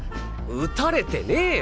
打たれてねえよ！